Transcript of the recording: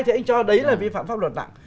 thì anh cho đấy là vi phạm pháp luật nặng